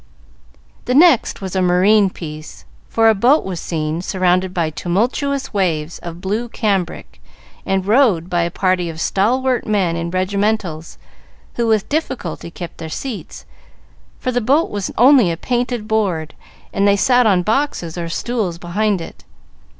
The next was a marine piece, for a boat was seen, surrounded by tumultuous waves of blue cambric, and rowed by a party of stalwart men in regimentals, who with difficulty kept their seats, for the boat was only a painted board, and they sat on boxes or stools behind it.